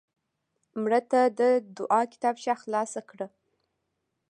مړه ته د دعا کتابچه خلاص کړه